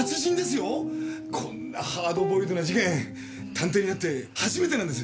こんなハードボイルドな事件探偵になって初めてなんです。